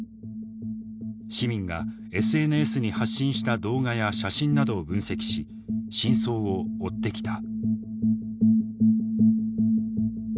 市民がＳＮＳに発信した動画や写真などを分析し真相を追ってきた。